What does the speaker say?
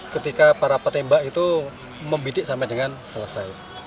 ketika para petembak itu membidik sampai dengan selesai